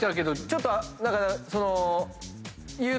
ちょっと何かその。